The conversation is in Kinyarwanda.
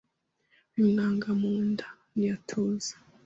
Bimwanga mu nda: ntiyatuza